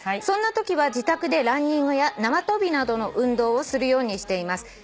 「そんなときは自宅でランニングや縄跳びなどの運動をするようにしています。